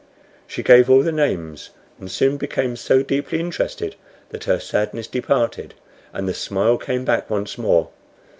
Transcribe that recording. She gave all the names, and soon became so deeply interested that her sadness departed, and the smile came back once more.